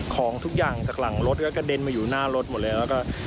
ของทุกอย่างก็จะกระเด็นมาอยู่่อนี่